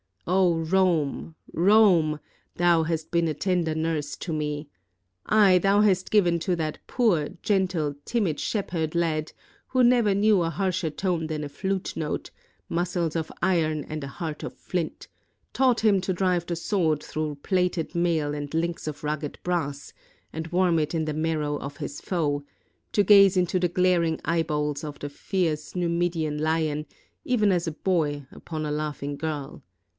O Rome! Rome! thou hast been a tender nurse to me. Aye, thou hast given to that poor, gentle, timid shep herd lad, who never knew a harsher tone than a flute note, muscles of iron and a heart of flint; taught him to drive the sword through plaited mail and Unks of rugged brass, and warm it in the marrow of his foe ; to gaze into the glaring eyeballs of the fierce Numidian lion, even as a boy upon a laughing girl.